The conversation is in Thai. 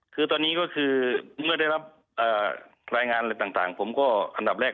คือตอนนี้ก็คือเมื่อได้รับรายงานอะไรต่างผมก็อันดับแรก